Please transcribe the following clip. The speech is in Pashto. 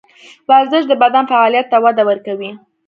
ورزش د بدن فعالیت ته وده ورکوي.